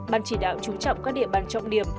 ban chỉ đạo chú trọng các địa bàn trọng điểm